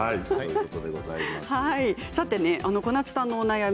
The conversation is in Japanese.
小夏さんのお悩み